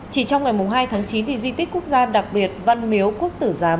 chỉ trong ngày hai tháng chín thì di tích quốc gia đặc biệt văn miếu quốc tử giám